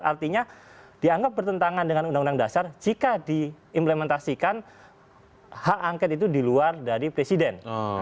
artinya dianggap bertentangan dengan undang undang dasar jika diimplementasikan hak angket itu di luar dari presiden